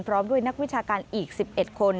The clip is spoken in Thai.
พร้อมด้วยนักวิชาการอีก๑๑คน